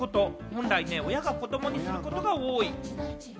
本来、親が子どもにすることが多い。